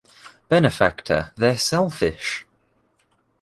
benefactor, they're selfish